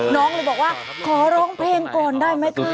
น้องเลยบอกว่าขอร้องเพลงก่อนได้ไหมคะ